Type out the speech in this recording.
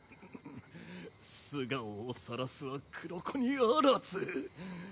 素顔をさらすは黒子にあらず。